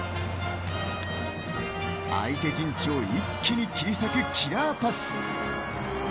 相手陣地を一気に切り裂くキラーパス。